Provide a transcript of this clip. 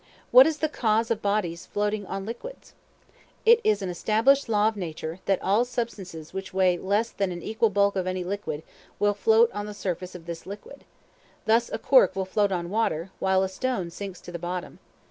What is the cause of bodies floating on liquids? It is an established law of nature, that all substances which weigh less than an equal bulk of any liquid, will float on the surface of this liquid. Thus a cork will float on water, while a stone sinks to the bottom.